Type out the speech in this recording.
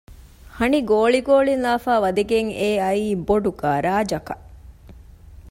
ހަނި ގޯޅި ގޯޅިން ލާފައި ވަދެގެން އެއައީ ބޮޑު ގަރާޖަކަށް